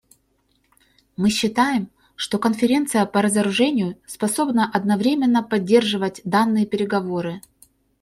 Мы считаем, что Конференция по разоружению способна одновременно поддерживать данные переговоры.